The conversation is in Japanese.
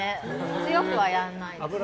強くはやらないです。